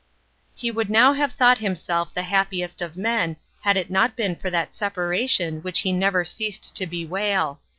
He would now have thought himself the happiest of men had it not been for that separation which he never ceased to bewail.